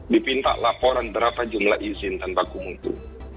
dipintak laporan berapa jumlah izin tanpa kumuhku